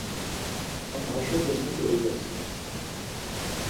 Ham haşote muç̌o iyasen?